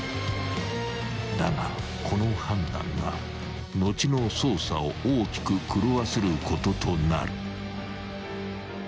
［だがこの判断が後の捜査を大きく狂わせることとなる］